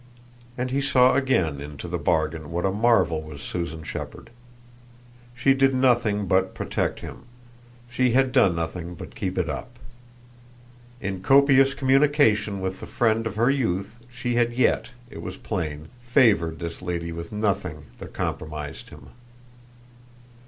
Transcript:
And he saw again into the bargain what a marvel was Susan Shepherd. She did nothing but protect him she had done nothing but keep it up. In copious communication with the friend of her youth she had yet, it was plain, favoured this lady with nothing that compromised him.